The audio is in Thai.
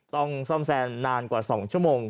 ต้องซ่อมแซมนานกว่า๒ชั่วโมง